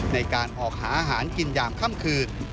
ในการออกหาอาหารกินยามค่ำคืน